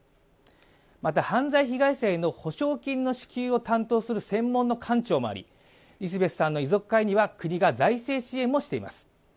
また犯罪被害者への補償金の支給を担当する専門の官庁もありリスベスさんの遺族会には国が財政支援もしています。